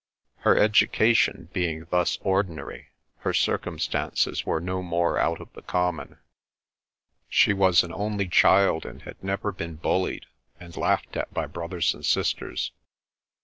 Her education being thus ordinary, her circumstances were no more out of the common. She was an only child and had never been bullied and laughed at by brothers and sisters.